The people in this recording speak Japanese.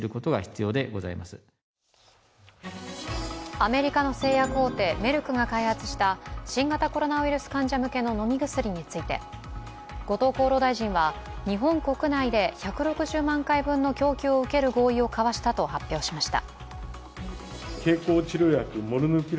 アメリカの製薬大手メルクが開発した新型コロナウイルス患者向けの飲み薬について後藤厚労大臣は、日本国内で１６０万回分の供給を受ける合意を交わしたと発表しました。